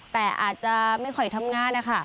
แต่อาจจะไม่ค่อยทำงานนะคะ